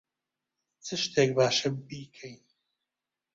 چ شتێک باشە بیکەین؟